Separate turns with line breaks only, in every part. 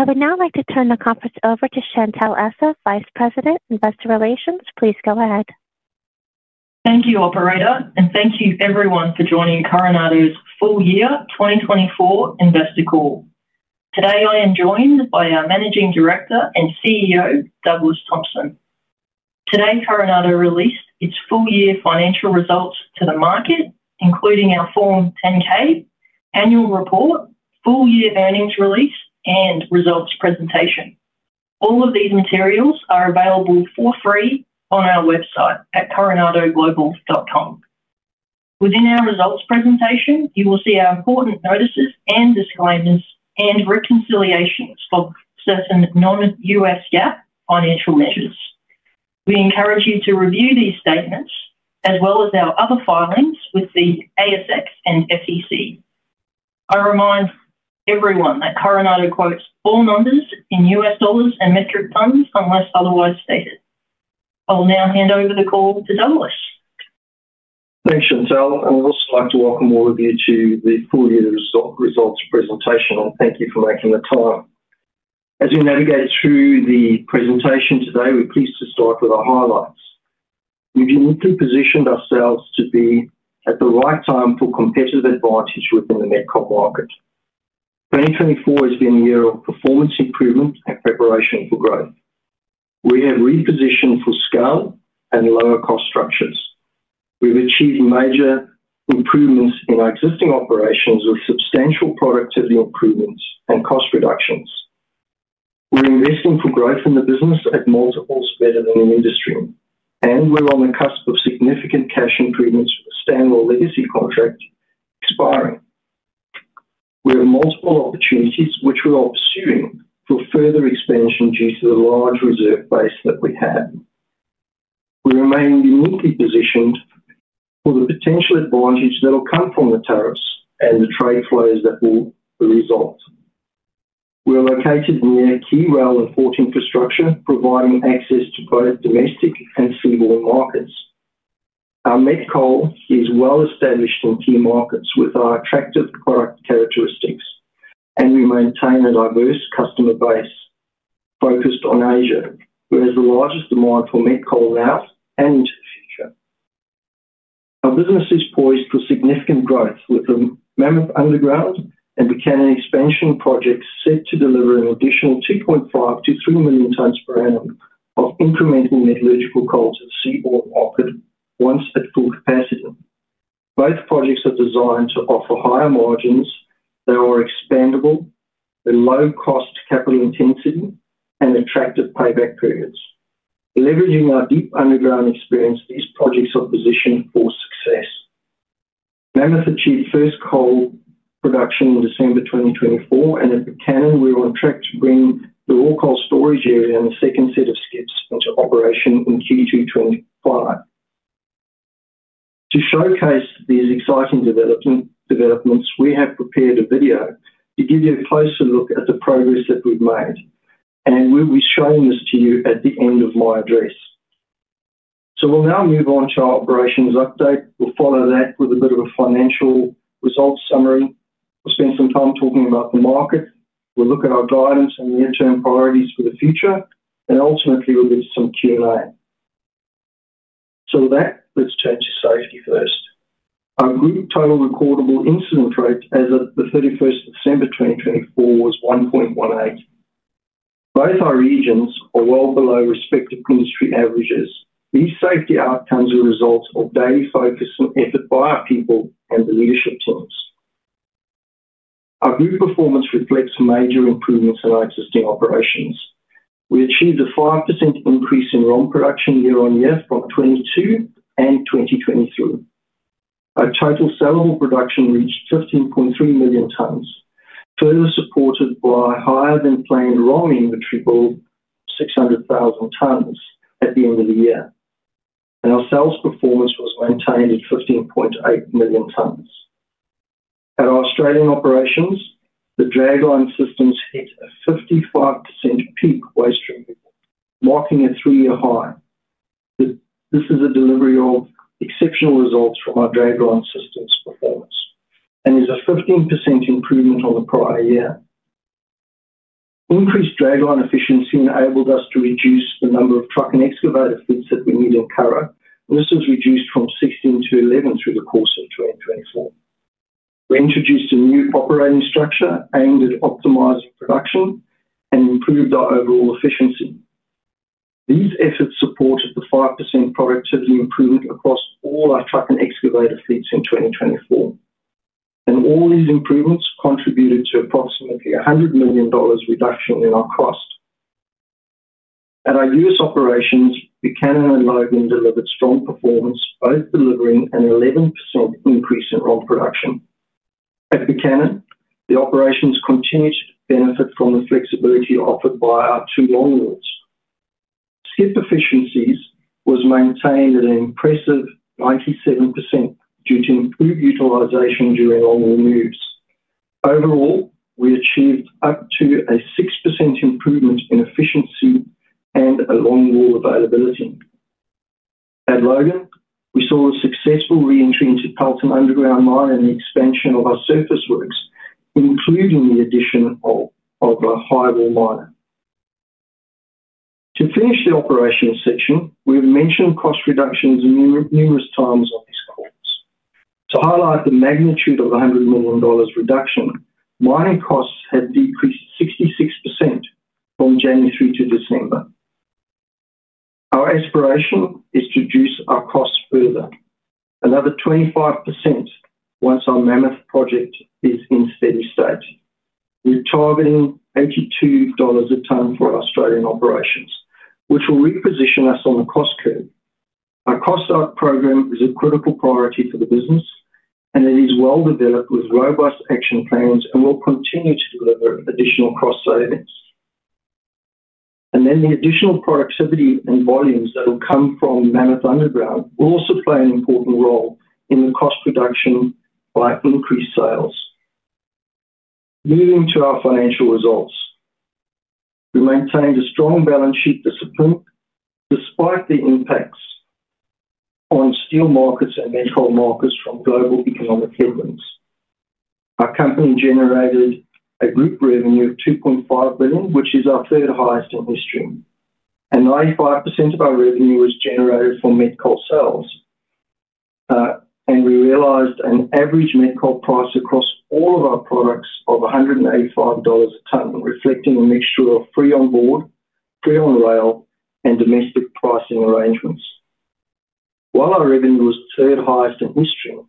I would now like to turn the conference over to Chantelle Essa, Vice President, Investor Relations. Please go ahead.
Thank you, Operator, and thank you, everyone, for joining Coronado's full-year 2024 Investor Call. Today, I am joined by our Managing Director and CEO, Douglas Thompson. Today, Coronado released its full-year financial results to the market, including our Form 10-K, annual report, full-year earnings release, and results presentation. All of these materials are available for free on our website at coronadoglobal.com. Within our results presentation, you will see our important notices and disclaimers and reconciliations of certain non-U.S. GAAP financial measures. We encourage you to review these statements, as well as our other filings with the ASX and SEC. I remind everyone that Coronado quotes all numbers in U.S. dollars and metric tonnes unless otherwise stated. I will now hand over the call to Douglas.
Thanks, Chantelle. I would also like to welcome all of you to the full-year results presentation, and thank you for making the time. As we navigate through the presentation today, we're pleased to start with our highlights. We've uniquely positioned ourselves to be at the right time for competitive advantage within met coal market. 2024 has been a year of performance improvement and preparation for growth. We have repositioned for scale and lower-cost structures. We've achieved major improvements in our existing operations with substantial productivity improvements and cost reductions. We're investing for growth in the business at multiples better than in industry, and we're on the cusp of significant cash improvements with the Stanwell legacy contract expiring. We have multiple opportunities, which we are pursuing for further expansion due to the large reserve base that we have. We remain uniquely positioned for the potential advantage that will come from the tariffs and the trade flows that will result. We're located near key rail and port infrastructure, providing access to both domestic and seaborne markets. Our met coal is well-established in key markets with our attractive product characteristics, and we maintain a diverse customer base focused on Asia, whereas the largest demand for met coal now and into the future. Our business is poised for significant growth with the Mammoth Underground and Buchanan Expansion projects set to deliver an additional 2.5-3 million tonnes per annum of incremental met coal to the seaborne market once at full capacity. Both projects are designed to offer higher margins that are expandable, low-cost capital intensity, and attractive payback periods. Leveraging our deep underground experience, these projects are positioned for success. Mammoth achieved first coal production in December 2024, and at Buchanan, we're on track to bring the raw coal storage area and the second set of skips into operation in Q2 2025. To showcase these exciting developments, we have prepared a video to give you a closer look at the progress that we've made, and we'll be showing this to you at the end of my address. So we'll now move on to our operations update. We'll follow that with a bit of a financial results summary. We'll spend some time talking about the market. We'll look at our guidance and the interim priorities for the future, and ultimately, we'll do some Q&A. So with that, let's turn to safety first. Our group total recordable incident rate as of the 31st of December 2024 was 1.18. Both our regions are well below respective industry averages. These safety outcomes are the result of daily focus and effort by our people and the leadership teams. Our group performance reflects major improvements in our existing operations. We achieved a 5% increase in ROM production year-on-year from 2022 and 2023. Our total sellable production reached 15.3 million tonnes, further supported by higher-than-planned ROM inventory goal of 600,000 tonnes at the end of the year, and our sales performance was maintained at 15.8 million tonnes. At our Australian operations, the dragline systems hit a 55% peak waste removal, marking a three-year high. This is a delivery of exceptional results from our dragline systems performance, and there's a 15% improvement on the prior year. Increased dragline efficiency enabled us to reduce the number of truck and excavator fleets that we need in Curragh, and this was reduced from 16 to 11 through the course of 2024. We introduced a new operating structure aimed at optimizing production and improved our overall efficiency. These efforts supported the 5% productivity improvement across all our truck and excavator fleets in 2024. And all these improvements contributed to approximately $100 million reduction in our cost. At our U.S. operations, Buchanan and Logan delivered strong performance, both delivering an 11% increase in ROM production. At Buchanan, the operations continued to benefit from the flexibility offered by our two longwalls. Skip efficiencies were maintained at an impressive 97% due to improved utilization during longwall moves. Overall, we achieved up to a 6% improvement in efficiency and longwall availability. At Logan, we saw a successful re-entry into Powellton Underground Mine and the expansion of our surface works, including the addition of a highwall miner. To finish the operations section, we've mentioned cost reductions numerous times on these calls. To highlight the magnitude of the $100 million reduction, mining costs had decreased 66% from January through to December. Our aspiration is to reduce our costs further, another 25% once our Mammoth project is in steady state. We're targeting $82 a tonne for our Australian operations, which will reposition us on the cost curve. Our cost out program is a critical priority for the business, and it is well developed with robust action plans and will continue to deliver additional cost savings. And then the additional productivity and volumes that will come from Mammoth Underground will also play an important role in the cost reduction by increased sales. Moving to our financial results, we maintained a strong balance sheet discipline despite the impacts on steel markets and met coal markets from global economic headwinds. Our company generated a group revenue of $2.5 billion, which is our third highest in history. 95% of our revenue was generated from met coal sales. we realized an average met coal price across all of our products of $185 a tonne, reflecting a mixture of free-on-board, free-on-rail, and domestic pricing arrangements. While our revenue was third highest in history,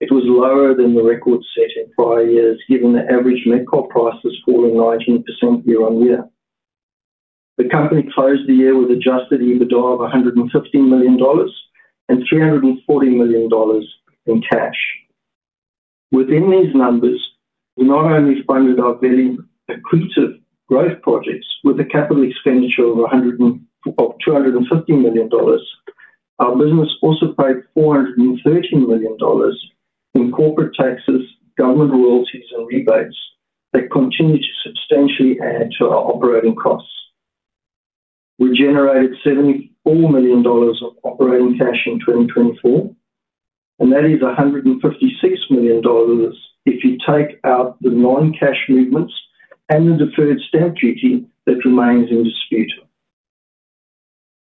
it was lower than the record set in prior years, given the average met coal prices falling 19% year-on-year. The company closed the year with adjusted EBITDA of $115 million and $340 million in cash. Within these numbers, we not only funded our accretive growth projects with a capital expenditure of $250 million. Our business also paid $413 million in corporate taxes, government royalties, and rebates that continue to substantially add to our operating costs. We generated $74 million of operating cash in 2024, and that is $156 million if you take out the non-cash movements and the deferred stamp duty that remains in dispute.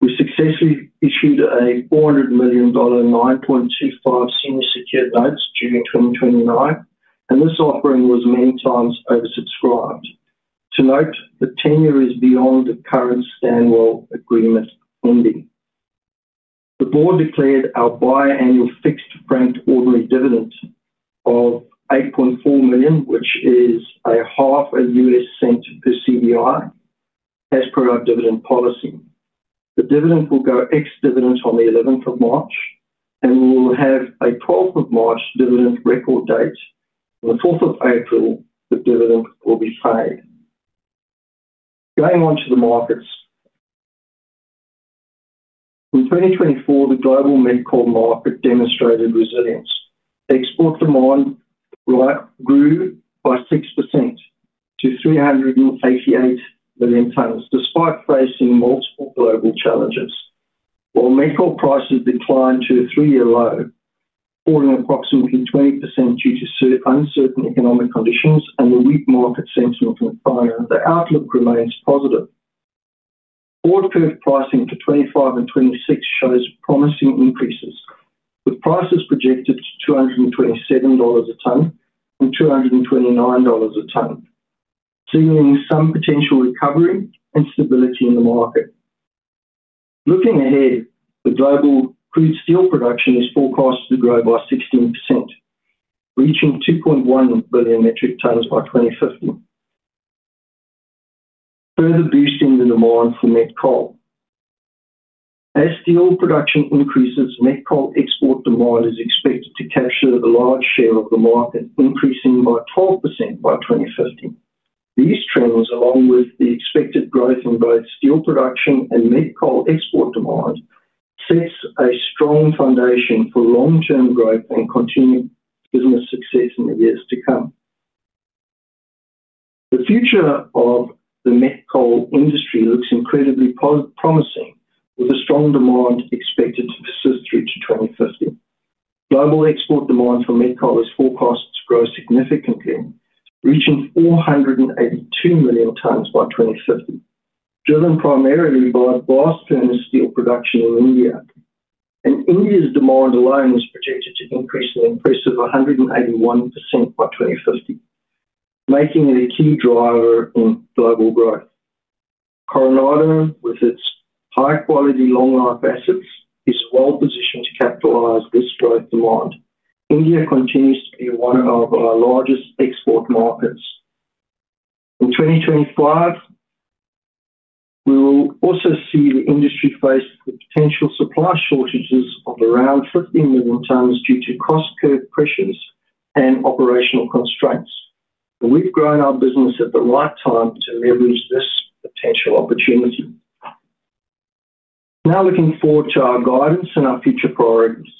We successfully issued a $400 million 9.25% senior secured notes due 2029, and this offering was many times oversubscribed. To note, the tenure is beyond the current Stanwell agreement ending. The Board declared our biannual fixed bank ordinary dividend of $8.4 million, which is $0.005 per CDI, as per our dividend policy. The dividend will go ex-dividend on the 11th of March, and we will have a 12th of March dividend record date. On the 4th of April, the dividend will be paid. Going on to the markets. In 2024 the global met coal market demonstrated resilience. Export demand grew by 6% to 388 million tonnes, despite facing multiple global challenges while met coal prices declined to a three-year low, falling approximately 20% due to uncertain economic conditions and the weak market sentiment from China, the outlook remains positive. Forward curve pricing for 2025 and 2026 shows promising increases, with prices projected to $227 a tonne and $229 a tonne, signaling some potential recovery and stability in the market. Looking ahead, the global crude steel production is forecast to grow by 16%, reaching 2.1 billion metric tonnes by 2050, further boosting the demand for met coal. As steel production increases, met coal export demand is expected to capture a large share of the market, increasing by 12% by 2050. These trends, along with the expected growth in both steel production and met coal export demand, set a strong foundation for long-term growth and continued business success in the years to come. The future of the met coal industry looks incredibly promising, with a strong demand expected to persist through to 2050. Global export demand for met coal is forecast to grow significantly, reaching 482 million tonnes by 2050, driven primarily by blast furnace and steel production in India. India's demand alone is projected to increase an impressive 181% by 2050, making it a key driver in global growth. Coronado, with its high-quality long-life assets, is well positioned to capitalize this growth demand. India continues to be one of our largest export markets. In 2025, we will also see the industry face the potential supply shortages of around 15 million tonnes due to cost curve pressures and operational constraints. We've grown our business at the right time to leverage this potential opportunity. Now looking forward to our guidance and our future priorities.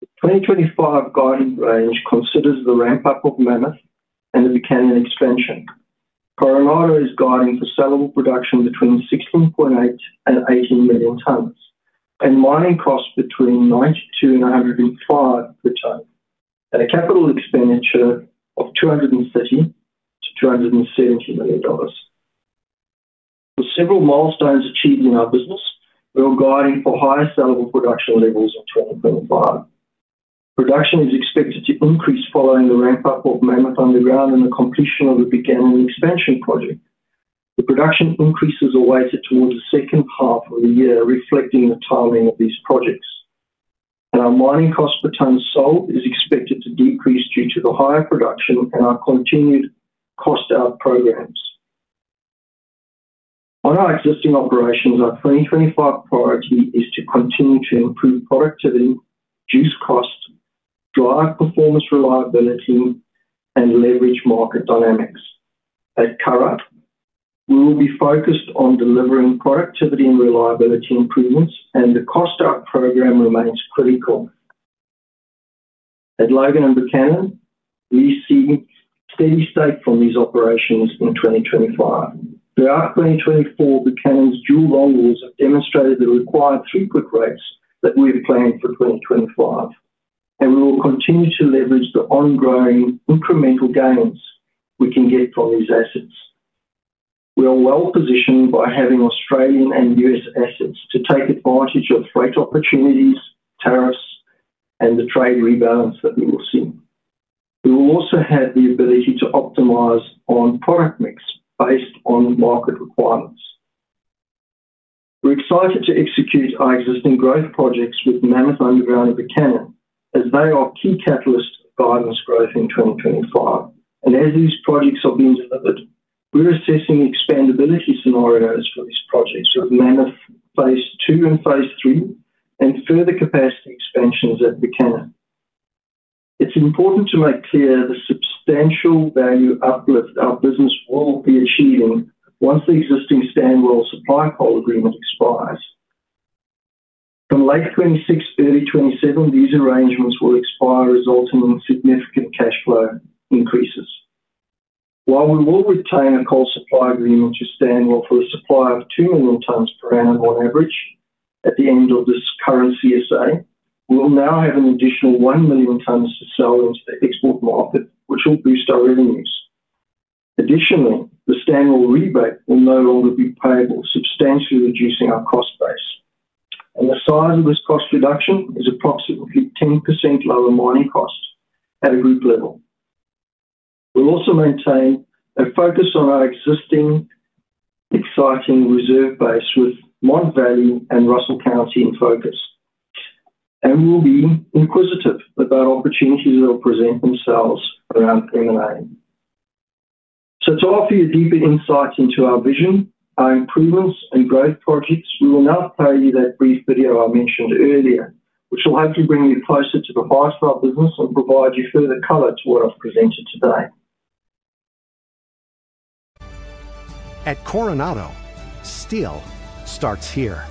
The 2025 guidance range considers the ramp-up of Mammoth and the Buchanan Expansion. Coronado is guiding for sellable production between 16.8 and 18 million tonnes, and mining costs between $92 and $105 per tonne, and a capital expenditure of $230 million-$270 million. With several milestones achieved in our business, we're guiding for higher sellable production levels in 2025. Production is expected to increase following the ramp-up of Mammoth Underground and the completion of the Buchanan Expansion project. The production increases are weighted towards the second half of the year, reflecting the timing of these projects. And our mining cost per tonne sold is expected to decrease due to the higher production and our continued cost-out programs. On our existing operations, our 2025 priority is to continue to improve productivity, reduce costs, drive performance reliability, and leverage market dynamics. At Curragh, we will be focused on delivering productivity and reliability improvements, and the cost-out program remains critical. At Logan and Buchanan, we see steady state from these operations in 2025. Throughout 2024, Buchanan's dual longwall have demonstrated the required throughput rates that we've planned for 2025. And we will continue to leverage the ongoing incremental gains we can get from these assets. We are well positioned by having Australian and U.S. assets to take advantage of freight opportunities, tariffs, and the trade rebalance that we will see. We will also have the ability to optimize on product mix based on market requirements. We're excited to execute our existing growth projects with Mammoth Underground and Buchanan, as they are key catalysts for guidance growth in 2025. And as these projects are being delivered, we're assessing expandability scenarios for these projects with Mammoth Phase Two and Phase Three and further capacity expansions at Buchanan. It's important to make clear the substantial value uplift our business will be achieving once the existing Stanwell supply coal agreement expires. From late 2026, early 2027, these arrangements will expire, resulting in significant cash flow increases. While we will retain a coal supply agreement to Stanwell for the supply of 2 million tonnes per annum on average at the end of this current CSA, we will now have an additional 1 million tonnes to sell into the export market, which will boost our revenues. Additionally, the Stanwell rebate will no longer be payable, substantially reducing our cost base, and the size of this cost reduction is approximately 10% lower mining costs at a group level. We'll also maintain a focus on our existing exciting reserve base with Mon Valley and Russell County in focus, and we'll be inquisitive about opportunities that will present themselves around M&A. So to offer you a deeper insight into our vision, our improvements, and growth projects, we will now play you that brief video I mentioned earlier, which will hopefully bring you closer to the heart of our business and provide you further color to what I've presented today. At Coronado, steel starts here.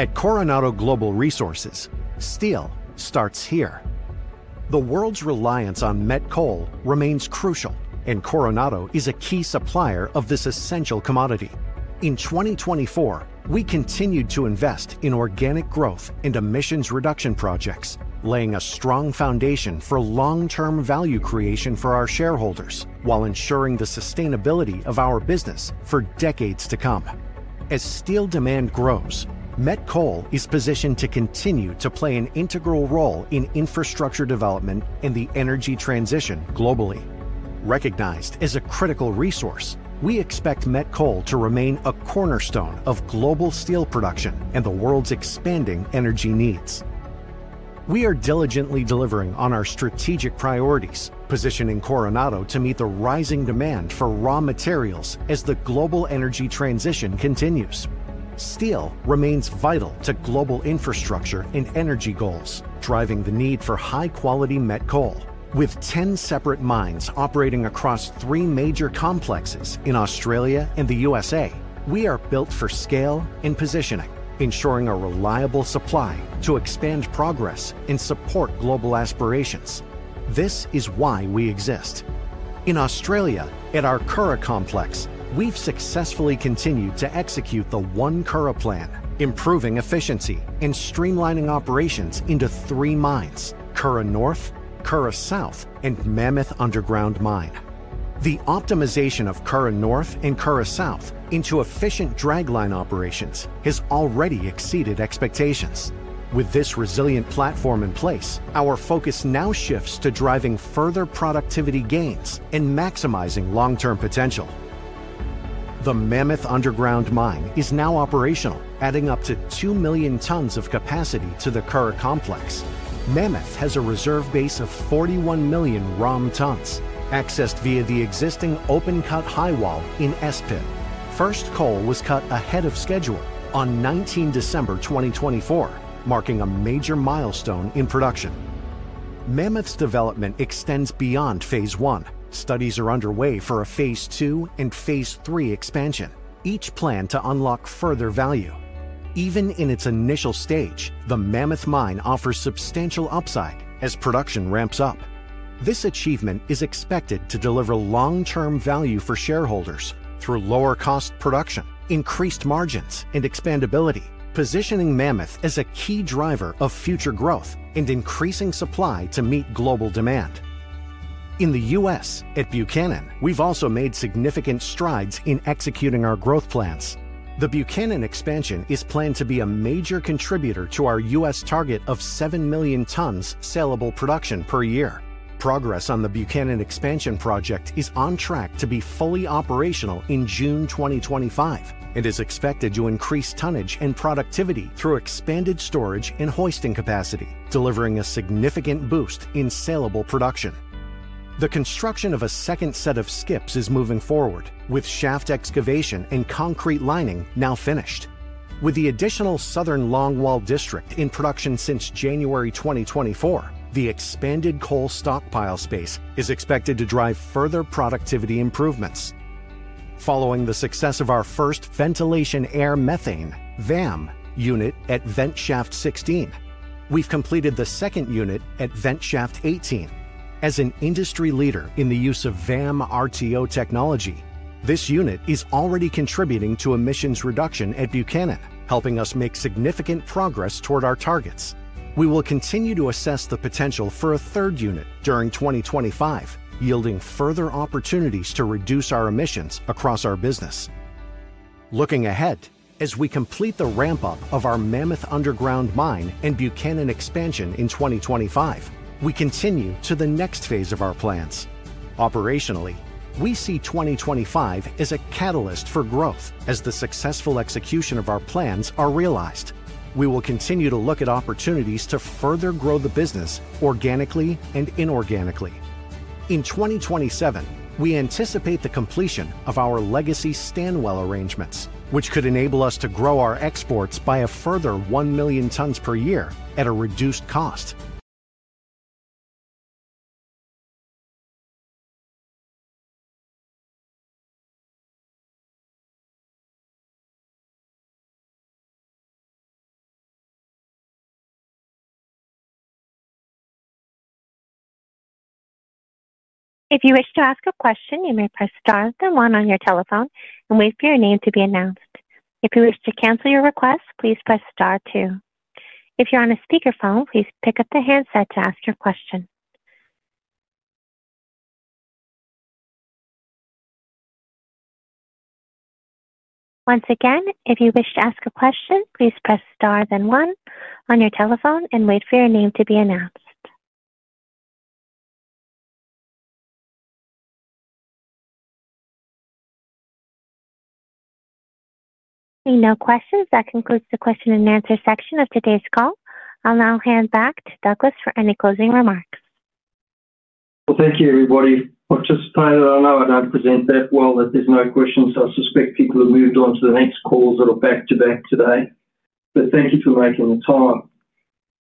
At Coronado Global Resources, steel starts here. The world's reliance on met coal remains crucial, and Coronado is a key supplier of this essential commodity. In 2024, we continued to invest in organic growth and emissions reduction projects, laying a strong foundation for long-term value creation for our shareholders while ensuring the sustainability of our business for decades to come. As steel demand grows, met coal is positioned to continue to play an integral role in infrastructure development and the energy transition globally. Recognized as a critical resource, we expect met coal to remain a cornerstone of global steel production and the world's expanding energy needs. We are diligently delivering on our strategic priorities, positioning Coronado to meet the rising demand for raw materials as the global energy transition continues. Steel remains vital to global infrastructure and energy goals, driving the need for high-quality met coal. With 10 separate mines operating across three major complexes in Australia and the USA, we are built for scale and positioning, ensuring a reliable supply to expand progress and support global aspirations. This is why we exist. In Australia, at our Curragh Complex, we've successfully continued to execute the One Curragh Plan, improving efficiency and streamlining operations into three mines: Curragh North, Curragh South, and Mammoth Underground Mine. The optimization of Curragh North and Curragh South into efficient dragline operations has already exceeded expectations. With this resilient platform in place, our focus now shifts to driving further productivity gains and maximizing long-term potential. The Mammoth Underground Mine is now operational, adding up to two million tonnes of capacity to the Curragh Complex. Mammoth has a reserve base of 41 million ROM tonnes accessed via the existing open-cut highwall extension. First coal was cut ahead of schedule on 19 December 2024, marking a major milestone in production. Mammoth's development extends beyond Phase One. Studies are underway for a Phase Two and Phase Three expansion, each planned to unlock further value. Even in its initial stage, the Mammoth Mine offers substantial upside as production ramps up. This achievement is expected to deliver long-term value for shareholders through lower cost production, increased margins, and expandability, positioning Mammoth as a key driver of future growth and increasing supply to meet global demand. In the U.S., at Buchanan, we've also made significant strides in executing our growth plans. The Buchanan Expansion is planned to be a major contributor to our U.S. target of 7 million tonnes sellable production per year. Progress on the Buchanan Expansion project is on track to be fully operational in June 2025 and is expected to increase tonnage and productivity through expanded storage and hoisting capacity, delivering a significant boost in sellable production. The construction of a second set of skips is moving forward, with shaft excavation and concrete lining now finished. With the additional Southern Longwall District in production since January 2024, the expanded coal stockpile space is expected to drive further productivity improvements. Following the success of our first ventilation air methane (VAM) unit at Vent Shaft 16, we've completed the second unit at Vent Shaft 18. As an industry leader in the use of VAM RTO technology, this unit is already contributing to emissions reduction at Buchanan, helping us make significant progress toward our targets. We will continue to assess the potential for a third unit during 2025, yielding further opportunities to reduce our emissions across our business. Looking ahead, as we complete the ramp-up of our Mammoth Underground Mine and Buchanan Expansion in 2025, we continue to the next phase of our plans. Operationally, we see 2025 as a catalyst for growth as the successful execution of our plans is realized. We will continue to look at opportunities to further grow the business organically and inorganically. In 2027, we anticipate the completion of our legacy Stanwell arrangements, which could enable us to grow our exports by a further one million tonnes per year at a reduced cost.
If you wish to ask a question, you may press star one on your telephone and wait for your name to be announced. If you wish to cancel your request, please press star two. If you're on a speakerphone, please pick up the handset to ask your question. Once again, if you wish to ask a question, please press star then one on your telephone and wait for your name to be announced. Seeing no questions, that concludes the question and answer section of today's call. I'll now hand back to Douglas for any closing remarks.
Well, thank you, everybody. I'll now present that, well, that there's no questions. I suspect people have moved on to the next calls that are back-to-back today. But thank you for making the time.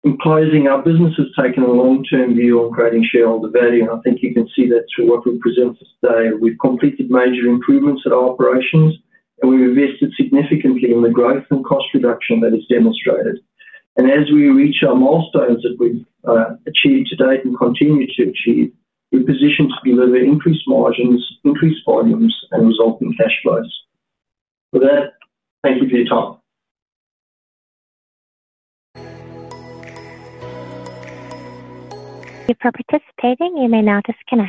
In closing, our business has taken a long-term view on creating shareholder value, and I think you can see that through what we've presented today. We've completed major improvements at our operations, and we've invested significantly in the growth and cost reduction that is demonstrated, as we reach our milestones that we've achieved to date and continue to achieve, we're positioned to deliver increased margins, increased volumes, and resulting cash flows. With that, thank you for your time.
Thank you for participating. You may now disconnect.